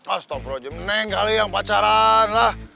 astagfirullahaladzim neng kali yang pacaran lah